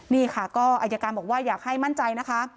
นี่ค่ะก็อายการบอกว่าอยากให้มั่นใจนะคะ